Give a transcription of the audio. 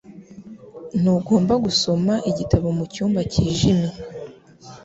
Ntugomba gusoma igitabo mucyumba cyijimye.